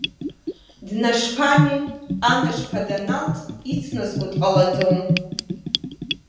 Днашԥами, анашԥа даналҵ ицназго дҟалаӡом.